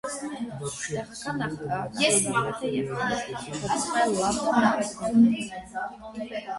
Տեղական նահանգապետը և խորհուրդը ընտրվում են լանդտագի կողմից։